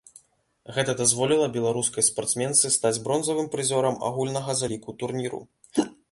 Гэта дазволіла беларускай спартсменцы стаць бронзавым прызёрам агульнага заліку турніру.